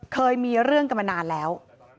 เคยมีเรื่องกันมานานแล้ว